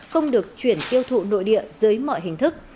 không được chuyển tiêu thụ nội địa dưới mọi hình thức